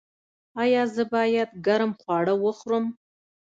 ایا زه باید ګرم خواړه وخورم؟